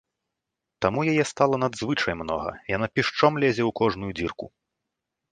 Таму яе стала надзвычай многа, яна пішчом лезе ў кожную дзірку.